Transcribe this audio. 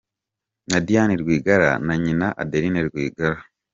Na Diane Rwigara na Nyina Adeline Rwigara.